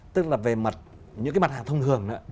tức là về mặt những mặt hàng thông thường